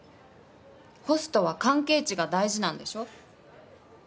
ホストは関係値が大事なんでしょ？